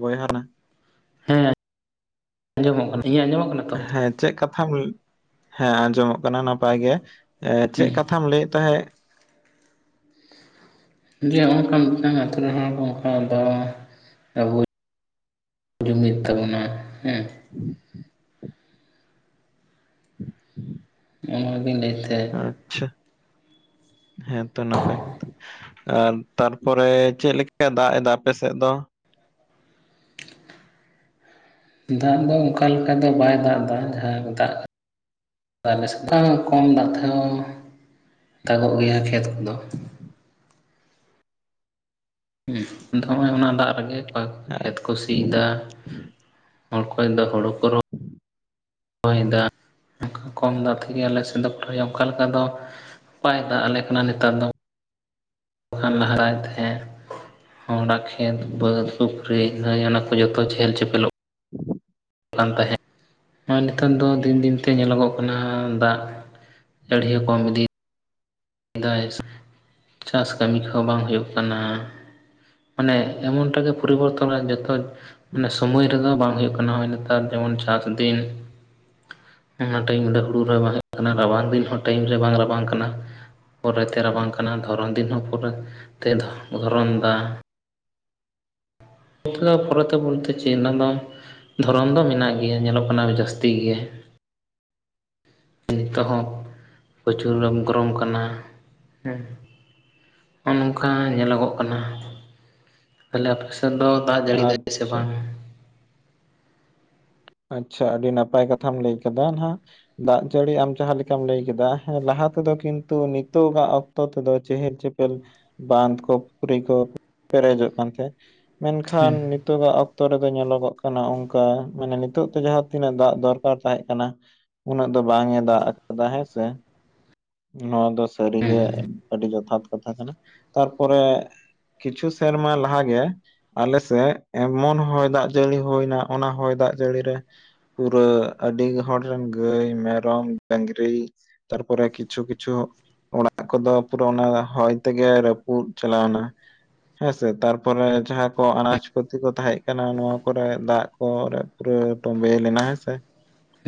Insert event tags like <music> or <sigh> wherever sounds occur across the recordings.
ᱵᱚᱭᱦᱟ ᱱᱟ ᱦᱮᱸ ᱟᱸᱡᱚᱢᱚᱜ ᱠᱟᱱᱟ᱾ ᱤᱧᱟᱜ ᱟᱸᱡᱚᱢᱚᱜ ᱠᱟᱱᱟ? ᱛᱚ ᱦᱮᱸ ᱪᱮᱫ ᱠᱟᱛᱷᱟᱢ, ᱦᱮᱸ ᱟᱸᱡᱚᱢᱚᱜ ᱠᱟᱱᱟ ᱱᱟᱯᱟᱭ ᱜᱮ ᱮᱸᱻ ᱪᱮᱜ ᱦᱮᱸ ᱠᱟᱛᱷᱟᱢ ᱞᱟᱹᱭᱮᱫ ᱛᱟᱦᱮᱸᱜ ᱡᱮ ᱦᱚᱸᱜ-ᱚᱝᱠᱟ ᱢᱤᱫᱴᱟᱝ ᱟᱹᱛᱩ ᱨᱮᱱ ᱦᱚᱲ ᱜᱷᱚᱴᱟᱣᱫᱟ ᱟᱵᱚ ᱡᱩᱢᱤᱫ ᱛᱟᱵᱚᱱᱟ ᱦᱮᱸ <inaudible> ᱦᱮᱸ ᱟᱫᱚᱧ ᱞᱟᱹᱭᱮᱫ ᱛᱟᱦᱮᱸᱜ᱾ ᱟᱪᱪᱷᱟ, ᱦᱮᱸᱛᱚ ᱱᱟᱯᱟᱭ ᱠᱟᱛᱮᱫ ᱟᱨ ᱛᱟᱨᱯᱚᱨᱮ ᱪᱮᱫ ᱞᱮᱠᱟᱭ ᱫᱟᱜ ᱮᱫᱟ ᱟᱯᱮ ᱥᱮᱫ ᱫᱚ? ᱫᱟᱜ ᱫᱚ ᱚᱝᱠᱟ ᱞᱮᱠᱟ ᱫᱚ ᱵᱟᱭ ᱫᱟᱜ ᱫᱟ ᱡᱟᱦᱟᱸ ᱢᱮᱛᱟᱜ ᱟᱞᱮ ᱥᱮᱫ ᱫᱚ ᱠᱚᱢ ᱫᱟᱜ ᱛᱟᱸᱦᱮᱱᱟ, ᱟ ᱯᱩᱲᱭᱟᱹ ᱠᱷᱮᱛ ᱠᱚᱫᱚ ᱦᱩᱸ, ᱟᱫᱚ ᱦᱚᱸᱜ-ᱚᱭ ᱚᱱᱟ ᱫᱟᱜ ᱨᱮᱜᱮ ᱯᱟᱠ ᱠᱷᱮᱛ ᱠᱚ ᱠᱩᱥᱤᱭᱫᱟ ᱚᱠᱚᱭ ᱫᱚ ᱦᱳᱲᱳ ᱠᱚ ᱨᱚ ᱦᱚᱭ ᱫᱟᱜ, ᱚᱝᱠᱟ ᱠᱚᱢ ᱫᱟᱜ ᱛᱮᱜᱮ ᱟᱞᱮ ᱥᱮᱫ ᱫᱚᱠᱚ ᱨᱚᱦᱚᱭᱟ ᱚᱝᱠᱟ ᱞᱮᱠᱟ ᱫᱚ ᱵᱟᱭ ᱫᱟᱜ ᱟᱞᱮ ᱠᱟᱱᱟ ᱱᱮᱛᱟᱨ ᱫᱚ ᱵᱟᱱ ᱦᱟᱨᱟᱭ ᱛᱟᱦᱮᱸᱫ ᱚᱱᱟ ᱠᱷᱮᱛ ᱵᱟᱹᱫᱽ ᱯᱩᱠᱷᱨᱤ <unintelligible> ᱜᱷᱟᱹᱭ ᱚᱱᱟᱠᱚ ᱡᱚᱛᱚ ᱪᱮᱦᱮᱞ ᱪᱮᱯᱮᱞᱚᱜ <inaudible> ᱠᱟᱱ ᱛᱟᱦᱮᱸᱫ, ᱦᱮᱸ ᱱᱮᱛᱟᱨ ᱫᱚ ᱫᱤᱱ ᱫᱤᱱ ᱛᱮ ᱧᱮᱞᱚᱜᱚᱜ ᱠᱟᱱᱟ ᱫᱟᱜ ᱡᱟᱹᱲᱤ ᱦᱚᱸ ᱠᱚᱢ ᱤᱫᱤ ᱫᱟᱭ, ᱪᱟᱥ ᱠᱟᱹᱢᱤ ᱠᱚᱦᱚᱸ ᱵᱟᱝ ᱦᱩᱭᱩᱜ ᱠᱟᱱᱟ᱾ ᱢᱟᱱᱮ ᱮᱢᱚᱱᱴᱟ ᱜᱮ ᱯᱚᱨᱤᱵᱚᱨᱛᱚᱱᱟᱭ ᱡᱚᱛᱚ ᱢᱟᱱᱮ ᱥᱚᱢᱚᱭ ᱨᱮᱫᱚ ᱵᱟᱝ ᱦᱩᱭᱩᱜ ᱠᱟᱱᱟ ᱦᱚᱸᱜ-ᱚᱭ ᱱᱤᱛ ᱱᱮᱛᱟᱨ ᱡᱮᱢᱚᱱ ᱪᱟᱥ ᱫᱤᱱ ᱚᱱᱟ ᱴᱟᱭᱤᱢ ᱨᱮ ᱦᱩᱸᱲᱩ ᱨᱚᱦᱚᱭ ᱵᱟᱝ ᱦᱩᱭᱩᱜ ᱠᱟᱱᱟ, ᱨᱟᱵᱟᱝ ᱫᱤᱱ ᱦᱚᱸ ᱴᱟᱭᱤᱢ ᱨᱮ ᱵᱟᱝ ᱨᱟᱵᱟᱝ ᱠᱟᱱᱟ᱾ ᱯᱚᱨᱮᱛᱮ ᱨᱟᱵᱟᱝ ᱠᱟᱱᱟ, ᱫᱷᱚᱨᱚᱱ ᱫᱤᱱ ᱦᱚᱸ ᱯᱚᱨᱮᱛᱮ ᱫᱷᱚᱨᱚᱱ ᱫᱟ᱾ ᱚᱱᱠᱟ ᱯᱚᱨᱮᱛᱮ ᱵᱳᱞᱛᱮ ᱪᱮᱫ ᱱᱟᱢᱟᱢ? ᱫᱷᱚᱨᱚᱱ ᱫᱚ ᱢᱮᱱᱟᱜ ᱜᱮᱭᱟ, ᱧᱮᱞᱚᱜ ᱠᱟᱱᱟ ᱡᱟᱹᱥᱛᱤ ᱜᱮ᱾ ᱚᱱᱠᱟ ᱦᱚᱸ ᱯᱨᱚᱪᱩᱨ ᱜᱚᱨᱚᱢ ᱠᱟᱱᱟ ᱦᱩᱸ᱾ ᱦᱚᱸᱜ-ᱚ ᱱᱚᱝᱠᱟ ᱧᱮᱞᱚᱜᱚᱜ ᱠᱟᱱᱟ, ᱛᱟᱦᱞᱮ ᱟᱯᱮ ᱥᱮᱫ ᱫᱚ ᱫᱟᱜ ᱡᱟᱹᱲᱤᱫᱟᱭ ᱥᱮ ᱟᱪᱪᱷᱟ ᱵᱟᱝ? ᱟᱪᱪᱷᱟ, ᱟᱹᱰᱤ ᱱᱟᱯᱟᱭ ᱠᱟᱛᱷᱟᱢ ᱞᱟᱹᱭ ᱠᱟᱫᱟ ᱱᱟᱜ᱾ ᱫᱟᱜ ᱡᱟᱹᱲᱤ ᱟᱢ ᱡᱟᱦᱟᱸ ᱞᱮᱠᱟᱢ ᱞᱟᱹᱭ ᱠᱮᱫᱟ, ᱦᱮᱸ ᱞᱟᱦᱟ ᱛᱮᱫᱚ ᱠᱤᱱᱛᱩ ᱱᱤᱛᱳᱜᱟᱜ ᱚᱠᱛᱚ ᱛᱮᱫᱚ ᱪᱮᱦᱮᱞ ᱪᱮᱯᱮᱞ ᱵᱟᱸᱫᱷ ᱠᱚ ᱯᱩᱠᱷᱨᱤ ᱠᱚ ᱯᱮᱨᱮᱡᱚᱜ ᱠᱟᱱ ᱛᱟᱦᱮᱸᱫ᱾ ᱢᱮᱱᱠᱷᱟᱱ ᱱᱤᱛᱳᱜᱟᱜ ᱚᱠᱛᱚ ᱨᱮᱫᱚ ᱧᱮᱞᱚᱜᱚᱜ ᱠᱟᱱᱟ ᱚᱝᱠᱟ ᱢᱟᱱᱮ ᱱᱤᱛᱳᱜ ᱛᱮ ᱡᱟᱦᱟᱸ ᱛᱤᱱᱟᱹᱜ ᱫᱟᱜ ᱫᱚᱨᱠᱟᱨ ᱛᱟᱦᱮᱸ ᱠᱟᱱᱟ ᱩᱱᱟᱹᱜ ᱫᱚ ᱵᱟᱝ ᱮ ᱫᱟᱜ ᱟᱠᱟᱫᱟ ᱦᱮᱸ ᱥᱮ ᱱᱚᱣᱟ ᱫᱚ ᱥᱟᱹᱨᱤᱜᱮ ᱟᱹᱰᱤ ᱡᱚᱛᱷᱟᱛ ᱠᱟᱛᱷᱟ ᱠᱟᱱᱟ, ᱛᱟᱨᱯᱚᱨᱮ ᱠᱤᱪᱷᱩ ᱥᱮᱨᱢᱟ ᱞᱟᱦᱟᱜᱮ ᱟᱞᱮ ᱥᱮᱫ ᱮᱢᱚᱱ ᱦᱚᱭ ᱫᱟᱜ ᱡᱟᱹᱲᱤ ᱦᱩᱭᱱᱟ ᱚᱱᱟ ᱦᱚᱭ ᱫᱟᱜ ᱡᱟᱹᱲᱤ ᱨᱮ ᱯᱩᱨᱟᱹ ᱟᱹᱰᱤ ᱦᱚᱲ ᱨᱮᱱ ᱜᱟᱹᱭ, ᱢᱮᱨᱚᱢ, ᱰᱟᱹᱝᱨᱤ ᱛᱟᱨᱯᱚᱨᱮ ᱠᱤᱪ ᱠᱤᱪᱷᱩ ᱠᱤᱪᱷᱩ ᱚᱲᱟᱜ ᱠᱚᱫᱚ ᱯᱩᱨᱟᱹ ᱚᱱᱮ ᱦᱚᱭ ᱛᱮᱜᱮ ᱨᱟᱹᱯᱩᱫ ᱪᱟᱞᱟᱣᱮᱱᱟ᱾ ᱦᱮᱸᱥᱮ ᱛᱟᱨᱯᱚᱨᱮ ᱡᱟᱦᱟᱸ ᱠᱚᱣᱟᱜ ᱟᱱᱟᱡᱽ-ᱯᱟᱹᱛᱤ ᱠᱚ ᱛᱟᱦᱮᱸ ᱠᱟᱱᱟ, ᱱᱚᱣᱟ ᱠᱚᱨᱮ ᱫᱟᱜ ᱠᱚ ᱯᱩᱨᱟᱹ ᱛᱚᱢᱵᱮ ᱞᱮᱱᱟ ᱦᱮᱸᱥᱮ᱾ <inaudible>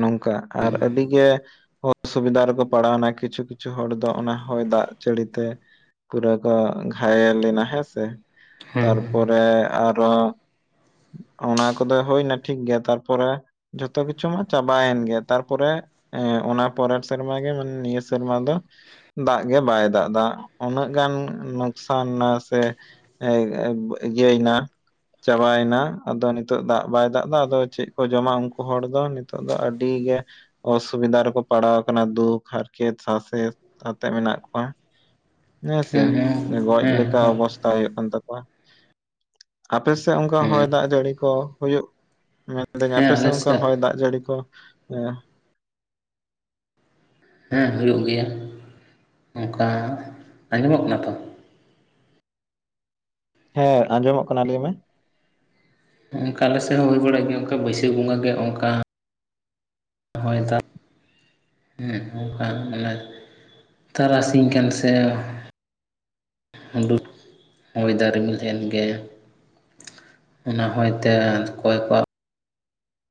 ᱱᱚᱝᱠᱟ ᱟᱨ ᱟᱹᱰᱤ ᱜᱮ ᱚᱥᱩᱵᱤᱫᱟ ᱨᱮ ᱯᱟᱲᱟᱣᱮᱱᱟ, ᱠᱤᱪᱷᱩ ᱠᱤᱪᱷᱩ ᱦᱚᱲ ᱫᱚ ᱚᱱᱟ ᱦᱚᱭ ᱫᱟᱜ ᱡᱟᱹᱲᱤ ᱛᱮ ᱯᱩᱨᱟᱹ ᱠᱚ ᱜᱷᱟᱭᱮᱞ ᱞᱮᱱᱟ, ᱦᱮᱸᱥᱮ᱾ ᱦᱮᱸ ᱛᱟᱨᱻᱯᱚᱨᱮ ᱟᱨᱚ ᱚᱱᱟ ᱠᱚᱫᱚ ᱦᱩᱭᱱᱟ ᱴᱷᱤᱠ ᱜᱮᱭᱟ, ᱛᱟᱨᱯᱚᱨᱮ ᱡᱷᱚᱛᱚ ᱠᱤᱪᱷᱩ ᱢᱟ ᱪᱟᱵᱟᱭᱮᱱ ᱜᱮᱭᱟ, ᱛᱟᱨᱯᱚᱨᱮ ᱚᱱᱟ ᱯᱚᱨᱮᱨ ᱥᱮ ᱚᱱᱟ ᱜᱮ ᱱᱤᱭᱟᱹ ᱥᱮᱨᱢᱟ ᱫᱚ ᱫᱟᱜ ᱜᱮ ᱵᱟᱭ ᱫᱟᱜ ᱮᱫᱟ, ᱩᱱᱟᱹᱜ ᱜᱟᱱ ᱞᱚᱠᱥᱟᱱ ᱥᱮ ᱮ ᱤᱭᱟᱹᱭ ᱮᱱᱟ ᱪᱟᱵᱟᱭ ᱮᱱᱟ, ᱟᱫᱚ ᱱᱤᱛᱚᱜ ᱫᱟᱜ ᱵᱟᱭ ᱫᱟᱜ ᱮᱫᱟ᱾ ᱟᱫᱚ ᱪᱮᱫ ᱠᱚ ᱡᱚᱢᱟ ᱩᱱᱠᱩ ᱦᱚᱲ ᱫᱚ ᱱᱤᱛᱚᱜ ᱫᱚ ᱟᱹᱰᱤ ᱜᱮ ᱚᱥᱩᱵᱤᱫᱷᱟ ᱨᱮᱠᱚ ᱯᱟᱲᱟᱣ ᱟᱠᱟᱱᱟ, ᱫᱩᱠ, ᱦᱟᱨᱠᱮᱛ, ᱥᱟᱥᱮᱛ, ᱟᱛᱮ ᱢᱮᱱᱟᱜ ᱠᱚᱣᱟ ᱦᱮᱸᱥᱮ ᱦᱮᱸ ᱦᱮᱸ ᱜᱚᱡᱽ ᱦᱮᱸ ᱞᱮᱠᱟ ᱦᱮᱸ ᱚᱵᱚᱥᱛᱷᱟ ᱦᱩᱭᱩᱜ ᱠᱟᱱ ᱛᱟᱠᱚᱣᱟ᱾ ᱟᱯᱮᱥᱮᱫ ᱚᱱᱠᱟ ᱦᱚᱭ ᱫᱟᱜ ᱡᱟᱹᱲᱤ ᱠᱚ ᱦᱩᱭᱩᱜ ᱢᱮ ᱫᱟᱹᱧ ᱦᱮᱸ ᱟᱯᱮ ᱥᱮᱫ ᱟᱞᱮ ᱚᱱᱠᱟ ᱦᱚᱭ ᱫᱟᱜ ᱡᱟᱹᱲᱤ ᱠᱚ ᱮ ᱦᱮᱸ ᱦᱩᱭᱩᱜ ᱜᱮᱭᱟ, ᱚᱱᱠᱟ ᱟᱸᱡᱚᱢᱚᱜ ᱠᱟᱱᱟ ᱛᱚ? ᱦᱮᱸ ᱟᱸᱡᱚᱢᱚᱜ ᱠᱟᱱᱟ᱾ ᱞᱟᱹᱭ ᱢᱮ? ᱚᱱᱠᱟ ᱟᱞᱮ ᱥᱮᱫ ᱦᱚᱸ ᱦᱩᱭ ᱵᱟᱲᱟᱜ ᱜᱮᱭᱟ᱾ ᱚᱱᱠᱟ ᱵᱟᱹᱭᱥᱟᱹᱠ ᱵᱚᱸᱜᱟ ᱜᱮ ᱚᱱᱠᱟ ᱦᱚᱭ-ᱫᱟᱜ᱾ ᱦᱩᱸ ᱚᱱᱠᱟ ᱢᱮᱱᱮᱛ ᱛᱟᱨᱟᱥᱤᱧ ᱠᱟᱱ ᱥᱮ ᱩᱰᱩᱠ ᱦᱚᱭ ᱫᱟᱚ ᱨᱤᱢᱤᱞ ᱛᱟᱦᱮᱸᱱ ᱜᱮᱭᱟ᱾ ᱚᱱᱟ ᱦᱚᱭ ᱛᱮ ᱚᱠᱚᱭ ᱠᱚᱣᱟᱜ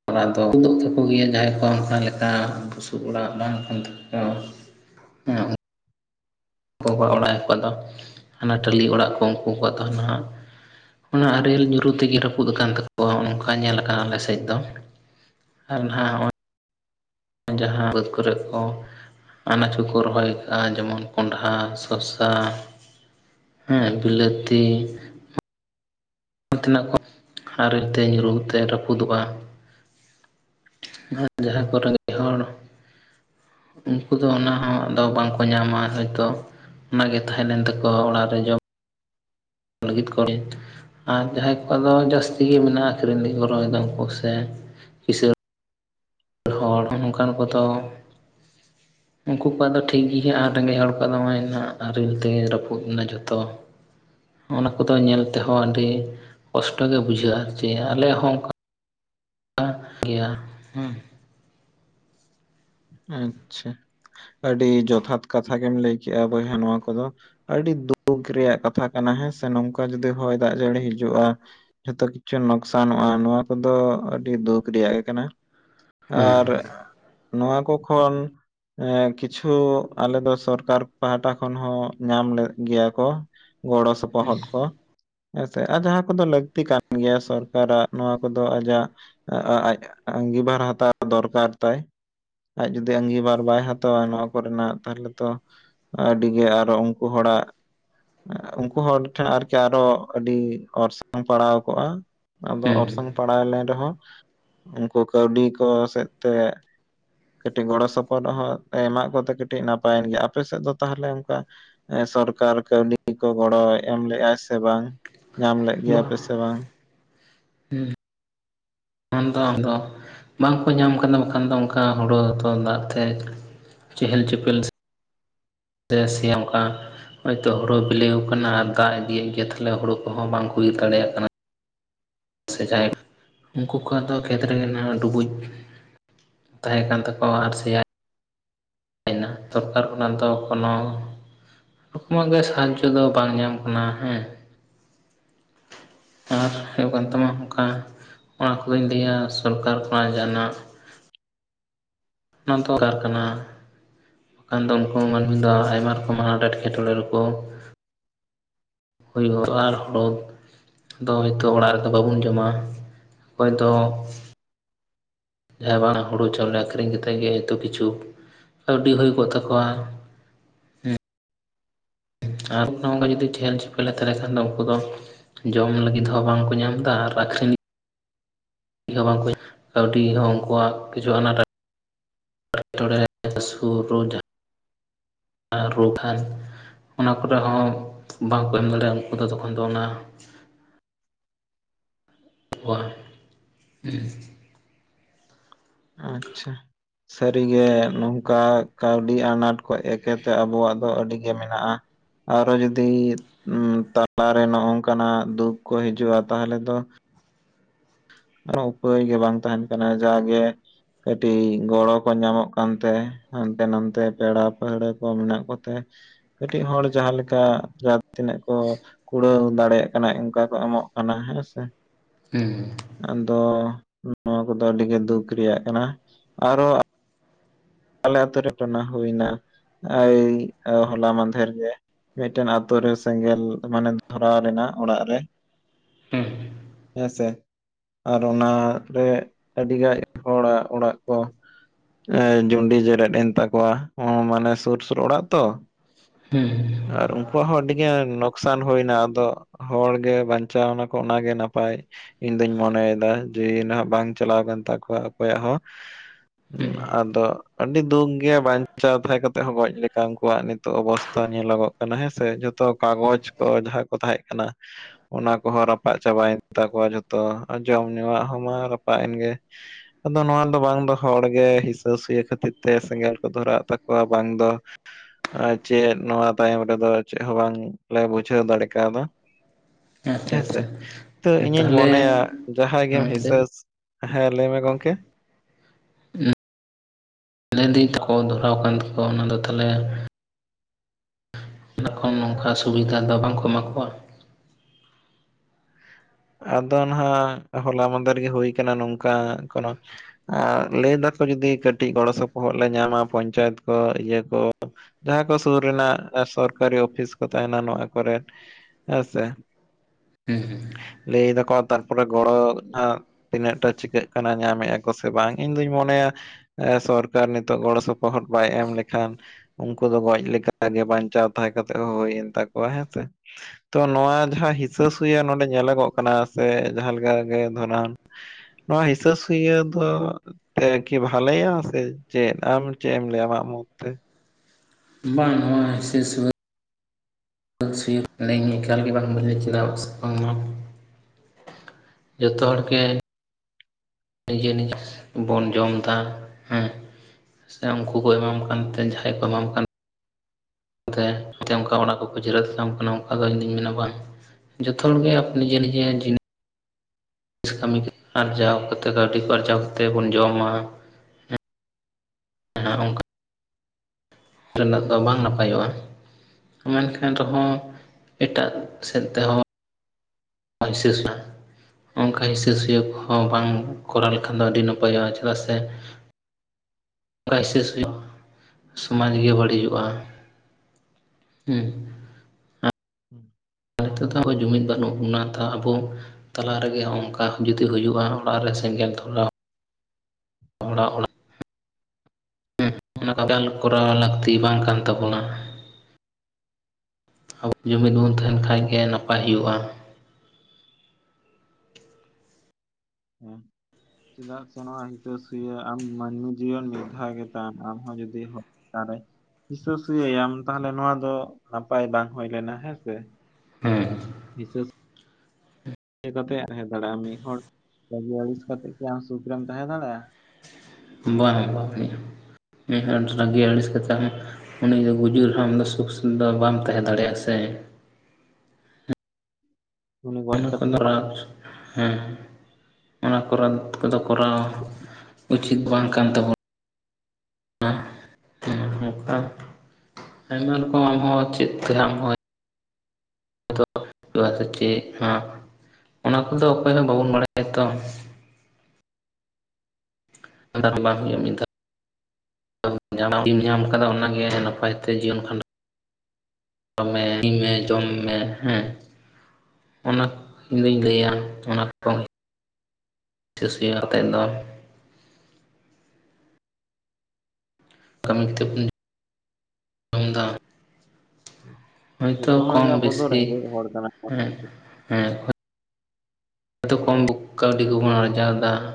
ᱚᱸᱲᱟᱜ ᱫᱚ ᱛᱟᱠᱚ ᱜᱮᱭᱟ ᱡᱟᱦᱟᱸᱭ ᱠᱚᱣᱟᱜ ᱚᱱᱠᱟ ᱞᱮᱠᱟ ᱵᱩᱥᱩᱵ ᱚᱸᱲᱟᱜ ᱵᱟᱝ ᱠᱟᱱ ᱛᱟᱠᱚᱣᱟ᱾ ᱦᱮᱸ᱾ ᱠᱩᱵᱟ ᱚᱸᱲᱟᱜ ᱠᱚᱫᱚ ᱦᱟᱱᱟ ᱴᱟᱹᱞᱤ ᱚᱸᱲᱟᱜ ᱠᱚ ᱩᱱᱠᱩ ᱠᱚᱣᱟᱜ ᱫᱚ ᱛᱟᱦᱮᱸᱱᱟ ᱚᱱᱟ ᱟᱨᱮᱞ ᱧᱩᱨᱩ ᱛᱮᱜᱮ ᱨᱟᱹᱯᱩᱫ ᱟᱠᱟᱱ ᱛᱟᱠᱚᱣᱟ᱾ ᱚᱱᱠᱟ ᱧᱮᱞ ᱟᱠᱟᱱᱟ ᱟᱞᱮ ᱥᱮᱫ ᱫᱚ ᱟᱨ ᱱᱟᱦᱟᱸᱜ ᱡᱟᱦᱟᱸ ᱵᱟᱹᱫᱽ ᱠᱚᱨᱮ ᱠᱚ ᱟᱱᱟᱡᱽ ᱠᱚᱠᱚ ᱨᱚᱦᱚᱭ ᱟᱠᱟᱜᱼᱟ, ᱡᱮᱢᱚᱱ ᱠᱚᱸᱰᱷᱟ, ᱥᱚᱨᱥᱟ ᱦᱮᱸ, ᱵᱤᱞᱟᱛᱤ ᱛᱤᱱᱟᱜᱹᱜ ᱠᱚ ᱟᱨᱮ ᱛᱮ ᱧᱩᱨᱩ ᱛᱮ ᱨᱟᱯᱩᱫᱚᱜᱼᱟ᱾ ᱟ ᱡᱟᱦᱟᱸ ᱠᱚᱨᱮ ᱦᱚᱲ ᱩᱱᱠᱩ ᱫᱚ ᱚᱱᱟ ᱦᱚᱸ ᱟᱫᱚ ᱵᱟᱝ ᱠᱚ ᱧᱟᱢᱟ, ᱦᱚᱭᱼᱛᱳ ᱚᱱᱟ ᱜᱮ ᱛᱟᱦᱮᱸ ᱞᱮᱱ ᱛᱟᱠᱚ ᱚᱲᱟᱜ ᱨᱮ ᱡᱚᱢ ᱞᱟᱹᱜᱤᱫ ᱠᱚᱞ ᱟᱨ ᱡᱟᱦᱟᱸᱭ ᱠᱚᱣᱟᱜ ᱫᱚ ᱡᱟᱹᱥᱛᱤ ᱜᱮ ᱢᱮᱱᱟᱜᱼᱟ, ᱨᱮᱜᱮᱡ ᱜᱚᱨᱚᱭ ᱫᱚ ᱠᱚ ᱥᱮ ᱠᱤᱥᱟᱹᱬ ᱦᱚᱲ ᱦᱚᱸ ᱚᱱᱠᱟᱱ ᱠᱚ ᱫᱚ ᱩᱱᱠᱩ ᱠᱚᱣᱟᱜ ᱫᱚ ᱴᱷᱤᱠ ᱜᱮᱭᱟ, ᱟᱨ ᱛᱮᱸᱜᱚᱡ ᱦᱚᱲ ᱠᱚᱣᱟᱜ ᱫᱚ ᱱᱚᱜᱼᱚᱭ ᱟᱨᱮᱞ ᱛᱮ ᱨᱟᱹᱯᱩᱫ ᱮᱱᱟ ᱡᱷᱚᱛᱚ᱾ ᱚᱱᱟ ᱠᱚ ᱫᱚ ᱧᱮᱞ ᱛᱮᱦᱚᱸ ᱟᱹᱰᱤ ᱠᱚᱥᱴᱚ ᱜᱮ ᱵᱩᱡᱷᱟᱹᱜᱼᱟ, ᱪᱮ ᱟᱞᱮ ᱦᱚᱸ ᱚᱱᱠᱟ ᱜᱮᱭᱟ ᱦᱚᱸ ᱟᱪᱪᱷᱟ, ᱟᱹᱰᱤ ᱡᱚᱛᱷᱟᱛ ᱠᱟᱛᱷᱟ ᱜᱮᱢ ᱞᱟᱹᱭ ᱠᱮᱼᱟ᱾ ᱵᱚᱭᱦᱟ ᱱᱚᱣᱟ ᱠᱚᱫᱚ ᱟᱹᱰᱤ ᱫᱩᱠ ᱨᱮᱭᱟᱜ ᱠᱟᱛᱷᱟ ᱠᱟᱱᱟ, ᱦᱮᱸ ᱥᱮ᱾ ᱱᱚᱝᱠᱟ ᱡᱩᱫᱤ ᱦᱚᱭ ᱫᱟᱜ ᱡᱟᱹᱲᱤ ᱦᱤᱡᱩᱜᱼᱟ᱾ ᱡᱷᱚᱛᱚ ᱠᱤᱪᱷᱩ ᱱᱚᱠᱥᱟᱱᱚᱜᱼᱟ᱾ ᱱᱚᱣᱟ ᱠᱚᱫᱚ ᱟᱹᱰᱤ ᱫᱩᱠ ᱨᱮᱭᱟᱜ ᱜᱮ ᱠᱟᱱᱟ᱾ ᱦᱮᱸ ᱟᱨ ᱱᱚᱣᱟ ᱠᱚ ᱠᱷᱚᱱ ᱮᱸ ᱠᱤᱪᱷᱩ ᱟᱞᱮ ᱫᱚ ᱥᱚᱨᱠᱟᱨ ᱯᱟᱦᱴᱟ ᱠᱷᱚᱱ ᱦᱚᱸ ᱧᱟᱢ ᱞᱮᱜ ᱜᱮᱭᱟ ᱠᱚ, ᱜᱚᱲᱚ ᱥᱚᱯᱚᱦᱚᱫᱽ ᱠᱚ, ᱦᱮᱸᱥᱮ ᱟᱨ ᱡᱟᱦᱟᱸ ᱠᱚᱫᱚ ᱞᱟᱹᱠᱛᱤ ᱠᱟᱱ ᱜᱮᱭᱟ, ᱥᱚᱨᱠᱟᱨᱟᱜ ᱱᱚᱣᱟ ᱠᱚᱫᱚ ᱟᱡᱟᱜ ᱟ ᱟ ᱟᱡᱽ ᱟᱺᱜᱤᱵᱷᱟᱨ ᱦᱟᱛᱟᱣ ᱫᱚᱨᱠᱟᱨ ᱛᱟᱭ, ᱟᱡ ᱡᱩᱫᱤ ᱟᱺᱜᱤᱵᱟᱨ ᱵᱟᱭ ᱦᱟᱛᱟᱣᱟ ᱱᱚᱣᱟ ᱠᱚᱨᱮᱱᱟᱜ ᱛᱟᱦᱞᱮ ᱛᱚ ᱟᱹᱰᱤᱜᱮ ᱟᱨᱚ ᱩᱱᱠᱩ ᱦᱚᱲᱟᱜ ᱩᱱᱠᱚ ᱦᱚᱲ ᱴᱷᱮᱸᱱ ᱟᱨᱠᱤ ᱟᱨᱚ ᱟᱹᱰᱤ ᱚᱨᱥᱚᱝ ᱯᱟᱲᱟᱣ ᱠᱚᱜ-ᱟ, ᱟᱫᱚ ᱦᱮᱸ ᱚᱨᱥᱚᱝ ᱯᱟᱲᱟᱣ ᱞᱮᱱ ᱨᱮᱦᱚᱸ ᱩᱱᱠᱩ ᱠᱟᱹᱣᱰᱤ ᱠᱚ ᱥᱮᱫ ᱛᱮ ᱠᱟᱹᱴᱤ ᱜᱚᱲᱚ ᱥᱚᱯᱚᱦᱚᱫ ᱦᱚᱸ ᱮᱢᱟᱜ ᱠᱚᱛᱮ ᱠᱟᱹᱴᱤᱜ ᱱᱟᱯᱟᱭᱮᱱ ᱜᱮᱭᱟ, ᱟᱯᱮ ᱥᱮᱫ ᱫᱚ ᱛᱟᱦᱞᱮ ᱚᱝᱠᱟ ᱮ ᱥᱚᱨᱠᱟᱨ ᱠᱟᱹᱣᱰᱤ ᱠᱚ ᱜᱚᱲᱚᱭ ᱮᱢ ᱞᱮᱟᱭ ᱥᱮ ᱵᱟᱝ? ᱧᱟᱢ ᱞᱮᱜ ᱜᱮᱭᱟ ᱯᱮ ᱥᱮ ᱵᱟᱝ? ᱚᱱ ᱫᱚ ᱚᱸᱫᱚ ᱵᱟᱝᱠᱚ ᱧᱟᱢ ᱟᱠᱟᱫ-ᱟ, ᱵᱟᱝᱠᱷᱟᱱ ᱫᱚ ᱚᱱᱠᱟ ᱦᱩᱲᱳᱛᱚᱞ ᱫᱟᱜ ᱛᱮ ᱪᱮᱦᱮᱞ ᱪᱮᱯᱮᱞᱥ ᱛᱮ ᱥᱮᱭᱮ ᱚᱝᱠᱟ, ᱦᱳᱭᱛᱚ ᱦᱳᱲᱳ ᱵᱤᱞᱤᱣ ᱠᱟᱱᱟ ᱟᱨ ᱫᱟᱜ ᱤᱫᱤᱭᱮᱜ ᱜᱮᱭᱟ, ᱛᱟᱦᱞᱮ ᱦᱳᱲᱳ ᱠᱚᱦᱚᱸ ᱵᱟᱝ ᱠᱚ ᱤᱨ ᱫᱟᱲᱮᱭᱟᱜ ᱠᱟᱱᱟ᱾ ᱥᱮ ᱡᱟᱦᱟᱭ ᱩᱝᱠᱩ ᱠᱚᱣᱟᱜ ᱫᱚ ᱠᱷᱮᱛ ᱨᱮᱜᱮ ᱱᱟᱦᱟᱜ ᱰᱩᱵᱩᱡ ᱛᱟᱦᱮ ᱠᱟᱱ ᱛᱟᱠᱚᱣᱟ ᱟᱨ ᱥᱮᱭᱟ ᱛᱚᱠ ᱠᱟᱨ ᱵᱟᱠᱷᱟᱱ ᱛᱚ ᱠᱳᱱᱳ ᱠᱳᱠᱢᱳ ᱫᱚ ᱥᱟᱦᱟᱡᱡᱳ ᱫᱚ ᱵᱟᱝ ᱧᱟᱢ ᱠᱟᱱᱟ ᱦᱮᱸ ᱟᱨ ᱦᱩᱭᱩᱜ ᱠᱟᱱ ᱛᱟᱢᱟ ᱚᱝᱠᱟ ᱚᱱᱟ ᱠᱚᱜᱤᱧ ᱞᱟᱹᱭᱟ ᱥᱚᱨᱠᱟᱨ ᱠᱷᱚᱱᱟᱜ ᱡᱟᱦᱟᱱᱟᱜ ᱚᱱᱟ ᱫᱚ ᱜᱟᱨ ᱠᱟᱱᱟ᱾ ᱠᱷᱟᱱ ᱫᱚ ᱩᱱᱠᱩ ᱢᱟᱹᱱᱢᱤ ᱫᱚ ᱟᱭᱢᱟ ᱨᱚᱠᱚᱢᱟ ᱟᱱᱟᱴ ᱮᱴᱠᱮᱴᱚᱬᱮ ᱨᱮᱠᱚ ᱦᱩᱭᱩᱜ ᱟᱨ ᱦᱚᱠ ᱫᱚ ᱦᱚᱳᱭᱛᱳ ᱚᱲᱟᱜ ᱨᱮᱫᱚ ᱵᱟᱵᱩᱱ ᱡᱚᱢᱟ, ᱠᱚᱭ ᱫᱚ ᱡᱟᱦᱟᱸ ᱵᱟᱝ ᱦᱩᱲᱳ ᱪᱟᱣᱞᱮ ᱟᱠᱷᱨᱤᱧ ᱠᱟᱛᱮᱜ ᱜᱮ ᱛᱳ ᱠᱤᱪᱷᱩ ᱠᱟᱹᱣᱰᱤ ᱦᱩᱭ ᱠᱚᱜ ᱛᱟᱠᱚᱣᱟ, ᱦᱮᱸ ᱟᱨ ᱢᱤ ᱦᱚᱸ ᱚᱱᱠᱟ ᱡᱩᱫᱤ ᱪᱮᱦᱮᱞ ᱪᱮᱯᱮᱞ ᱞᱮ ᱛᱟᱞᱦᱮ ᱠᱷᱟᱱ ᱫᱚ ᱩᱝᱠᱩ ᱫᱚ ᱡᱚᱢ ᱞᱟᱹᱜᱤᱫ ᱫᱷᱚ ᱦᱟᱸᱜ ᱵᱟᱝᱠᱚ ᱧᱟᱢ ᱫᱟ ᱟᱨ ᱟᱠᱷᱨᱤᱧ ᱠᱤ ᱦᱚᱸ ᱵᱟᱝ ᱠᱚ ᱠᱟᱣᱰᱤ ᱦᱚᱸ ᱩᱱᱠᱚᱣᱟᱜ ᱠᱤᱪᱷᱩ ᱟᱱᱟᱴ ᱮ ᱴᱚᱬᱮ ᱥᱩ ᱨᱩ ᱡᱟᱸ ᱟᱨ ᱨᱩ ᱛᱟᱦᱱ ᱚᱱᱟ ᱠᱚᱨᱮ ᱦᱚᱸ ᱵᱟᱝᱠᱚ ᱮᱢ ᱫᱟᱲᱮᱜ-ᱟ ᱩᱝᱠᱩ ᱫᱚ ᱛᱚᱠᱷᱚᱱ ᱫᱚ ᱚᱱᱟ <unintelligible> ᱟᱪᱪᱷᱟ ᱥᱟᱹᱨᱤᱜᱮ ᱱᱚᱝᱠᱟ ᱠᱟᱹᱣᱰᱤ ᱟᱱᱟᱴ ᱠᱚ ᱮᱠᱮᱛᱮ ᱟᱵᱚᱣᱟᱜ ᱫᱚ ᱟᱹᱰᱤᱜᱮ ᱢᱮᱱᱟᱜ-ᱟ᱾ ᱟᱨᱚ ᱡᱩᱫᱤ ᱩᱸ ᱛᱟᱞᱟᱨᱮ ᱱᱚᱜᱚᱝ ᱠᱟᱱᱟᱜ ᱫᱩᱠ ᱠᱚ ᱦᱤᱡᱩᱜ-ᱟ ᱛᱟᱦᱞᱮ ᱫᱚ ᱟᱨ ᱩᱯᱟᱹᱭ ᱜᱮ ᱵᱟᱝ ᱛᱟᱦᱮᱱ ᱠᱟᱱᱟ ᱡᱟᱜᱮ ᱠᱟᱹᱴᱤᱜ ᱜᱚᱲᱚ ᱠᱚ ᱧᱟᱢᱚᱜ ᱠᱟᱱᱛᱮ ᱦᱟᱱᱛᱮ ᱱᱟᱱᱛᱮ ᱯᱮᱲᱟ ᱯᱟᱹᱦᱲᱟᱹ ᱠᱚ ᱢᱮᱱᱟᱜ ᱠᱚᱛᱮ ᱠᱟᱹᱴᱤᱡ ᱦᱚᱲ ᱡᱟᱦᱟ ᱞᱮᱠᱟ ᱡᱟ ᱛᱤᱱᱟᱹᱜ ᱠᱚ ᱠᱩᱲᱟᱹᱣ ᱫᱟᱲᱮᱭᱟᱜ ᱠᱟᱱᱟ ᱚᱝᱠᱟ ᱠᱚ ᱮᱢᱚᱜ ᱠᱟᱱᱟ ᱦᱮᱸ ᱥᱮ᱾ ᱦᱩᱸ ᱟᱫᱚ ᱱᱚᱣᱟ ᱠᱚᱫᱚ ᱟᱹᱰᱤ ᱜᱮ ᱫᱩᱠ ᱨᱮᱭᱟᱜ ᱠᱟᱱᱟ᱾ᱟᱨᱚᱸ ᱟᱞᱮ ᱟᱛᱳ ᱨᱮ ᱴᱚᱱᱟ ᱦᱩᱭᱱᱟ ᱮᱭ ᱦᱚᱞᱟ ᱢᱟᱫᱷᱮᱨ ᱜᱮ, ᱢᱤᱫᱴᱮᱱ ᱟᱛᱩ ᱨᱮ ᱥᱮᱸᱜᱮᱞ ᱢᱟᱱᱮ ᱫᱷᱚᱨᱟᱣ ᱞᱮᱱᱟ ᱚᱲᱟᱜ ᱨᱮ, ᱦᱮᱸ ᱦᱮᱸ ᱥᱮ ᱟᱨ ᱚᱱᱟᱨᱮ ᱟᱹᱰᱤ ᱜᱟᱡ ᱦᱚᱲᱟᱜ ᱚᱲᱟᱜ ᱠᱚ ᱮᱸᱻ ᱡᱚᱱᱰᱤ ᱡᱮᱨᱮᱫ ᱮᱱ ᱛᱟᱠᱚᱣᱟ᱾ᱚ ᱢᱟᱱᱮ ᱥᱩᱨ ᱥᱩᱨ ᱚᱲᱟᱜ ᱛᱚ᱾ ᱦᱩᱸ ᱟᱨ ᱩᱱᱠᱩᱣᱟ-ᱜ ᱦᱚᱸ ᱟᱹᱰᱤ ᱜᱮ ᱞᱚᱠᱥᱟᱱ ᱦᱩᱭᱱᱟ ᱟᱫᱚ ᱦᱚᱲ ᱜᱮ ᱵᱟᱧᱪᱟᱣ ᱱᱟᱠᱚ, ᱚᱱᱟᱜᱮ ᱱᱟᱯᱟᱭ ᱤᱧ ᱫᱩᱧ ᱢᱚᱱᱮᱭᱮᱫᱟ᱾ ᱡᱮ ᱱᱟᱦᱟᱜ ᱵᱟᱝ ᱪᱟᱞᱟᱣ ᱟᱠᱟᱱ ᱛᱟᱠᱚᱣᱟ ᱚᱠᱚᱭᱟᱜ ᱦᱚᱸ᱾ ᱦᱩᱸ ᱟᱫᱚ ᱟᱹᱰᱤ ᱫᱩᱠ ᱜᱮ ᱵᱟᱧᱪᱟᱣ ᱛᱟᱦᱮᱸ ᱠᱟᱛᱮ ᱦᱚᱸ, ᱜᱚᱡ ᱞᱮᱠᱟ ᱩᱱᱠᱩᱣᱟᱼᱜ ᱱᱤᱛᱚᱜ ᱚᱵᱚᱥ ᱧᱮᱞᱚᱜᱚᱜ ᱠᱟᱱᱟ ᱦᱮᱸᱥᱮ᱾ ᱡᱚᱛᱚ ᱠᱟᱜᱚᱡᱽ ᱠᱚ ᱡᱟᱦᱟᱸ ᱠᱚ ᱛᱟᱦᱮᱸ ᱠᱟᱱᱟ᱾ ᱚᱱᱟ ᱠᱚᱼᱦᱚᱸ ᱨᱟᱯᱟᱜ ᱪᱟᱵᱟᱭᱮᱱ᱾ ᱛᱟᱠᱚᱣᱟ ᱡᱷᱚᱛᱚ ᱡᱚᱢ ᱧᱩᱣᱟᱜ ᱦᱚᱸ ᱢᱟ ᱨᱟᱯᱟᱜ ᱮᱱ ᱜᱮ᱾ ᱟᱫᱚ ᱱᱚᱣᱟ ᱫᱚ, ᱵᱟᱝ ᱫᱚ ᱦᱚᱲᱜᱮ ᱦᱸᱤᱥᱟᱹᱥᱩᱭᱟᱹ ᱠᱷᱟᱹᱛᱤᱨ ᱛᱮ, ᱥᱮᱸᱜᱮᱞ ᱠᱚ ᱫᱷᱚᱨᱟᱣ ᱛᱟᱠᱚᱣᱟ ᱾ᱵᱟᱝ ᱫᱚ ᱟᱪᱪᱷᱟ ᱪᱮᱫ ᱱᱚᱣᱟ ᱛᱟᱭᱚᱢ ᱨᱮᱫᱚ ᱪᱮᱫ ᱦᱚᱸ ᱵᱟᱝᱞᱮ ᱵᱩᱡᱷᱟᱹᱣ ᱫᱟᱲᱮ ᱠᱟᱣᱫᱟ᱾ ᱟᱪᱪᱷᱟ ᱦᱮᱸᱥᱮ, ᱟᱪᱪᱷᱟ ᱛᱚ ᱤᱧᱤᱧ ᱛᱟᱦᱚᱞᱮ ᱢᱚᱱᱮᱭ-ᱟ ᱾ ᱡᱟᱦᱟᱸᱭ ᱦᱮᱸ ᱜᱮᱢ ᱦᱤᱸᱥᱟᱹ ᱦᱮᱸ ᱞᱟᱹᱭ ᱢᱮ ᱜᱚᱝᱠᱮ? ᱞᱮᱸᱫᱤᱧ ᱠᱷᱟᱨ ᱫᱷᱚᱨᱟᱣ ᱟᱠᱟᱱ ᱛᱟᱠᱚᱣᱟ ᱚᱱᱟ ᱫᱚ ᱛᱟᱦᱚᱞᱮ ᱠᱷᱚᱱ ᱱᱚᱝᱠᱟ ᱥᱩᱵᱤᱫᱷᱟ ᱫᱚ, ᱵᱟᱝᱠᱚ ᱮᱢᱟ ᱠᱚᱣᱟ᱾ ᱟᱫᱚ ᱦᱟᱸᱜ, ᱦᱚᱞᱟ ᱢᱟᱫᱟᱨᱜᱮ ᱦᱩᱭ ᱠᱟᱱᱟ ᱾ᱱᱚᱝᱠᱟ ᱠᱚᱱᱳ ᱟᱨ ᱞᱟᱹᱭ ᱫᱟᱠᱚ ᱡᱚᱫᱤ ᱠᱟᱹᱴᱤᱡ ᱜᱚᱲᱚ ᱥᱚᱯᱚᱦᱚᱫ ᱞᱮ ᱧᱟᱢᱟ ᱾ ᱯᱚᱧᱪᱟᱭᱮᱛ ᱠᱚ ᱤᱭᱟᱹ ᱠᱚ᱾ ᱡᱟᱦᱟᱸ ᱠᱚ ᱥᱩᱨ ᱨᱮᱱᱟᱜ ᱥᱚᱨᱠᱟᱨᱤ ᱚᱯᱷᱤᱥ ᱠᱚ ᱛᱟᱦᱮᱱᱟ ᱾ ᱱᱚᱣᱟ ᱠᱚᱨᱮ ᱦᱮᱸ ᱥᱮ ᱦᱩᱸ ᱦᱩᱸ ᱞᱟᱹᱭ ᱫᱟᱠᱚ ᱛᱟᱨᱯᱚᱨᱮ ᱜᱚᱲᱚ ᱱᱟᱜ ᱛᱤᱱᱟᱹᱜᱴᱟ ᱪᱤᱠᱟᱹᱜ ᱠᱟᱱᱟ, ᱧᱟᱢᱮᱫ-ᱟ ᱠᱚ ᱥᱮ ᱵᱟᱝ, ᱤᱧ ᱫᱩᱧ ᱢᱚᱱᱮᱭ-ᱟ᱾ ᱮ ᱥᱚᱨᱠᱟᱨ ᱱᱤᱛᱚᱜ ᱜᱚᱲᱚ ᱥᱚᱯᱚᱦᱚᱫ ᱵᱟᱭ ᱮᱢ ᱞᱮᱠᱷᱟᱱ᱾ ᱩᱱᱠᱩ ᱫᱚ ᱜᱚᱡ ᱞᱮᱠᱟᱜᱮ ᱵᱟᱧᱪᱟᱣ ᱛᱟᱦᱮᱸ ᱠᱟᱛᱮᱜ ᱦᱩᱭᱮᱱ ᱛᱟᱠᱚᱣ-ᱟ, ᱦᱮᱸ ᱥᱮ᱾ ᱛᱚ ᱱᱚᱣᱟ ᱡᱟᱦᱟᱸ ᱦᱤᱥᱟᱹ ᱥᱩᱭᱟᱹ ᱱᱚᱰᱮᱸ ᱧᱮᱞᱚᱜᱚᱜ ᱠᱟᱱᱟ᱾ ᱥᱮ ᱡᱟᱦᱟᱸ ᱞᱮᱠᱟ ᱜᱮ ᱫᱷᱚᱱᱟᱱ ᱱᱚᱣᱟ ᱦᱤᱥᱟᱹ ᱥᱤᱭᱟᱹ ᱫᱚ ᱛᱮ ᱠᱤ ᱵᱷᱟᱞᱮᱭ-ᱟ ᱾ ᱥᱮ ᱪᱮᱫ ᱟᱢ ᱪᱮᱫ ᱮᱢ ᱞᱟᱹᱭ ᱮᱫᱟ ᱟᱢᱟᱜ ᱢᱚᱛ ᱛᱮ? ᱵᱟᱝ ᱱᱚᱣᱟ ᱦᱤᱥᱟᱹ ᱥᱩᱣᱟᱹ ᱦᱤᱥᱟᱹ ᱥᱩᱭᱟᱹ ᱞᱟᱹᱭ ᱤᱧ ᱮᱠᱟᱞ ᱜᱮ ᱵᱟᱝ ᱵᱷᱟᱞᱤ ᱪᱮᱫᱟᱜ ᱵᱟᱝᱢᱟ᱾ ᱡᱷᱚᱛᱚ ᱦᱚᱲ ᱜᱮ ᱱᱤᱡᱮ ᱱᱤᱡᱮ ᱵᱚᱱ ᱡᱚᱢ ᱮᱫᱟ ᱦᱮᱸ᱾ ᱥᱮ ᱩᱱᱠᱩ ᱠᱚ ᱮᱢᱟᱢ ᱠᱟᱱᱛᱮ, ᱡᱟᱦᱟᱸᱭ ᱠᱚ ᱮᱢᱟᱢ ᱠᱟᱱ ᱚᱱᱟ ᱛᱮ ᱛᱮ ᱚᱱᱠᱟ ᱚᱲᱟᱜ ᱠᱚᱼᱠᱚ ᱡᱤᱨᱟᱹᱮᱫ ᱥᱟᱢ ᱠᱟᱱᱟ ᱚᱱᱠᱟ ᱫᱚ ᱤᱧᱫᱩᱧ ᱢᱮᱱᱟ ᱵᱟᱝ? ᱡᱷᱚᱛᱚ ᱦᱚᱲᱜᱮ ᱱᱤᱡᱮ - ᱱᱤᱡᱮ ᱡᱤ ᱠᱟᱹᱢᱤ ᱠᱚ ᱟᱨᱡᱟᱣ ᱠᱟᱛᱮ, ᱠᱟᱹᱣᱰᱤ ᱠᱚ ᱟᱨᱡᱟᱣ ᱠᱟᱛᱮ ᱵᱚᱱ ᱡᱚᱢᱟ᱾ ᱚᱱᱠᱟ ᱨᱮᱱᱟᱜ ᱫᱚ ᱵᱟᱝ ᱱᱟᱯᱟᱭᱚᱜ-ᱟ᱾ ᱢᱮᱱᱠᱷᱟᱱ ᱨᱮ ᱦᱚᱸ ᱮᱴᱟᱜ ᱥᱮᱫ ᱛᱮᱦᱚᱸ ᱚ ᱦᱤᱥᱟᱹ ᱢᱮᱱᱟᱜ-ᱟ᱾ ᱚᱱᱠᱟ ᱦᱤᱸᱥᱟᱹ ᱥᱩᱭᱟᱹ ᱠᱚᱼᱦᱚᱸ ᱵᱟᱝ ᱠᱚᱨᱟᱣ ᱞᱮᱠᱷᱟᱱ ᱫᱚ ᱟᱹᱰᱤ ᱱᱟᱯᱟᱭᱚᱜ-ᱟ ᱾ᱪᱮᱫᱟᱜ ᱥᱮ ᱚᱱᱠᱟ ᱦᱤᱥᱟᱹ ᱥᱩᱭᱟᱹ ᱦᱚᱸ ᱥᱚᱢᱟᱡᱽ ᱜᱮ ᱵᱟᱹᱲᱤᱡᱚᱜ-ᱟ᱾ ᱦᱩᱸ <inaudible> ᱱᱤᱛᱚᱜ ᱫᱚ ᱟᱵᱚ ᱡᱩᱢᱤᱫ ᱵᱟᱹᱱᱩᱜ ᱚᱱᱟ᱾ ᱛᱚ ᱟᱵᱚᱼᱼ ᱛᱟᱞᱟ ᱨᱮ ᱜᱮ, ᱦᱚᱹᱝᱠᱟ ᱡᱩᱫᱤ ᱦᱩᱭᱩᱜᱼᱟ᱾ ᱚᱲᱟᱜ ᱨᱮ ᱥᱮᱸᱜᱮᱞ ᱫᱷᱚᱨᱟᱣᱼᱼ ᱚᱲᱟᱜ ᱚᱲᱟᱜᱼᱼ ᱚᱱᱟ ᱠᱚ ᱮᱠᱟᱞ ᱠᱚᱨᱟᱣ ᱞᱟᱹᱠᱛᱤ ᱵᱟᱝ ᱠᱟᱱ ᱛᱟᱵᱚᱱᱟ ᱾ ᱟᱵᱚ ᱡᱩᱢᱤᱫ ᱵᱚᱱ ᱛᱟᱦᱮᱸᱱ ᱠᱷᱟᱡ ᱜᱮ ᱱᱟᱯᱟᱭ ᱦᱩᱭᱩᱜ-ᱟ ᱾ ᱦᱩᱸ᱾ ᱪᱮᱫᱟᱜ ᱥᱮ ᱱᱚᱣᱟ ᱦᱤᱥᱟᱹ ᱥᱩᱭᱟᱹ ᱟᱢ ᱢᱟᱹᱱᱢᱤ ᱡᱤᱭᱚᱱ ᱢᱤᱫ ᱫᱷᱟᱣ ᱜᱮᱛᱟᱢ ᱟᱢᱦᱚᱸ ᱡᱩᱫᱤ ᱛᱟᱦᱚᱞᱮ ᱦᱤᱥᱟᱹ ᱥᱩᱭᱟᱹᱭᱟᱢ ᱛᱟᱦᱞᱮ ᱱᱚᱣᱟ ᱫᱚ ᱱᱟᱯᱟᱭ ᱵᱟᱝ ᱦᱩᱭ ᱞᱮᱱᱟ ᱦᱮᱸ ᱥᱮ ᱾ ᱦᱩᱸ ᱦᱤᱥᱟᱹᱼᱼ ᱦᱤᱥᱟᱹ ᱠᱟᱛᱮᱜ ᱛᱟᱦᱮᱸ ᱫᱟᱲᱮ ᱭᱟᱜ-ᱟᱢ, ᱢᱤᱫ ᱦᱚᱲ ᱨᱟᱹᱜᱤ ᱟᱹᱲᱤᱥ ᱠᱟᱛᱮ ᱠᱤ ᱟᱢ ᱥᱩᱠ ᱨᱮᱢ ᱛᱟᱦᱮᱸ ᱫᱟᱲᱮᱭᱟᱜ-ᱟ? ᱵᱟᱝ ᱵᱟᱝ, ᱢᱤᱫ ᱦᱚᱲ ᱨᱟᱹᱜᱤ ᱟᱹᱲᱤᱥ ᱠᱟᱛᱮ ᱦᱚᱸ ᱩᱱᱤ ᱫᱚ ᱜᱩᱡᱩᱜ ᱨᱮᱦᱚᱸ ᱟᱢ ᱫᱚ ᱥᱩᱠ ᱥᱟᱱᱛᱤ ᱫᱚ ᱵᱟᱢ ᱛᱟᱦᱮᱸ ᱫᱟᱲᱮᱭᱟᱜ-ᱟ ᱥᱮ ᱾ ᱩᱱᱤ ᱜᱚᱡ ᱚᱱᱟ ᱠᱷᱚᱱ ᱠᱟᱛᱮ ᱫᱚ ᱨᱟᱡᱽ ᱦᱮᱸ ᱚᱱᱟ ᱠᱚᱨᱟᱛ ᱠᱚ ᱫᱚ ᱠᱚᱨᱟᱣ ᱩᱪᱤᱛ ᱵᱟᱝ ᱠᱟᱱ ᱛᱟᱵᱚᱱ ᱱᱚᱝᱠᱟ ᱟᱭᱢᱟ ᱨᱚᱠᱚᱢ ᱟᱢ ᱦᱚᱸ ᱪᱮᱫ ᱛᱮ ᱟᱢ ᱦᱚᱸᱼᱼ ᱦᱩᱭᱩᱜ-ᱟ ᱥᱮ ᱪᱮᱫ ᱦᱟᱸᱜ, ᱚᱱᱟ ᱠᱚ ᱫᱚ ᱚᱠᱚᱭ ᱦᱚᱸ ᱵᱟᱵᱚᱱ ᱵᱟᱲᱟᱭᱟ ᱛᱚ ᱾ ᱟᱫᱟᱨ ᱵᱟᱝ ᱦᱩᱭᱩᱜ-ᱟ ᱢᱤᱫ ᱫᱷᱟᱣᱼᱼ ᱡᱟᱦᱟᱸᱡᱤᱣᱭᱤᱢ ᱧᱟᱢ ᱟᱠᱟᱫᱟ ᱚᱱᱟᱜᱮ ᱱᱟᱯᱟᱭ ᱛᱮ ᱡᱤᱭᱚᱱ ᱠᱷᱟᱸᱰᱟᱣ ᱠᱟᱹᱢᱤ ᱢᱮ ᱡᱚᱢ ᱢᱮ ᱦᱮᱸ ᱾ ᱚᱱᱟ ᱤᱧ ᱫᱩᱧ ᱞᱟᱹᱭᱟ ᱚᱱᱟ ᱠᱚ ᱦᱤᱥᱟᱹᱥᱩᱭᱟᱹ ᱛᱮᱫ ᱫᱚ ᱠᱟᱹᱢᱤ ᱠᱟᱛᱮ ᱵᱚᱱ ᱡᱚᱢ ᱫᱟ ᱾ ᱦᱳᱭᱛᱳ ᱡᱚᱛᱚ ᱦᱚᱲᱜᱮ ᱠᱚᱢ ᱟᱵᱚ ᱫᱚ ᱵᱤᱥᱤ ᱨᱮᱸᱜᱮᱡ ᱦᱚᱲ ᱠᱟᱱᱟ ᱵᱚᱱ ᱦᱮᱸ ᱦᱳᱭᱛᱚ ᱠᱚᱢ <unintelligible> ᱠᱟᱹᱣᱰᱤ ᱠᱚᱵᱚᱱ ᱟᱨᱡᱟᱣ ᱮᱫᱟ ᱾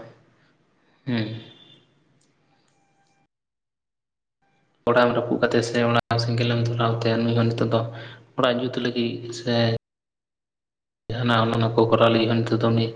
ᱚᱲᱟᱜ ᱮᱢ ᱨᱟᱹᱯᱩᱫ ᱠᱟᱜ ᱛᱟᱭᱟ ᱥᱮ ᱚᱲᱟᱜ ᱨᱮ ᱥᱮᱸᱜᱮᱞ ᱮᱢ ᱫᱷᱚᱨᱟᱣ ᱟᱛᱟᱭᱟ, ᱱᱩᱭ ᱦᱚᱸ ᱱᱤᱛᱚᱜ ᱫᱚ ᱚᱲᱟᱜ ᱡᱩᱛ ᱞᱟᱹᱜᱤᱫ ᱥᱮ ᱡᱟᱦᱟᱸᱱᱟᱜ ᱚᱱᱟ ᱚᱱᱟ ᱠᱚ ᱠᱚᱨᱟᱣ ᱞᱟᱹᱜᱤᱫ ᱦᱚᱸ ᱱᱤᱛᱚᱜ ᱫᱚ ᱩᱱᱤ